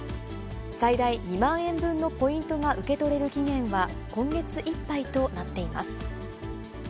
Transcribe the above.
最大２万円分のポイントが受け取れる期限は、今月いっぱいとなっています。